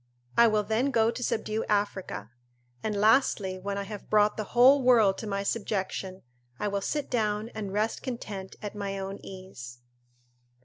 "I will then go to subdue Africa; and lastly, when I have brought the whole world to my subjection, I will sit down and rest content at my own ease."